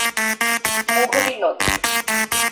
মুহুরী নদী।